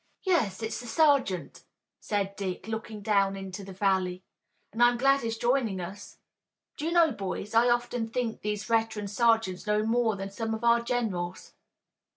"Yes, it's the sergeant," said Dick, looking down into the valley, "and I'm glad he's joining us. Do you know, boys, I often think these veteran sergeants know more than some of our generals."